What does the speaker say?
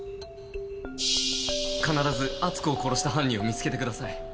必ず篤子を殺した犯人を見つけてください。